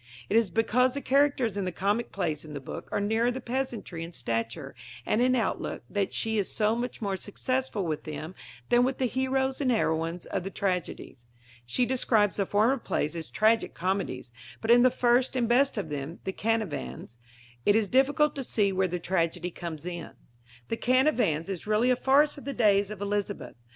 It is because the characters in the comic plays in the book are nearer the peasantry in stature and in outlook that she is so much more successful with them than with the heroes and heroines of the tragedies. She describes the former plays as "tragic comedies"; but in the first and best of them, The Canavans, it is difficult to see where the tragedy comes in. The Canavans is really a farce of the days of Elizabeth.